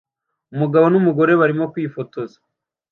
Umugabo n'umugore barimo kwifotoza